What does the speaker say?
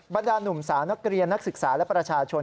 ดานุ่มสาวนักเรียนนักศึกษาและประชาชน